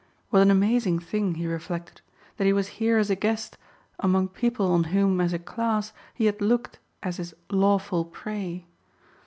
What an amazing thing, he reflected, that he was here as a guests among people on whom, as a class, he had looked as his lawful prey.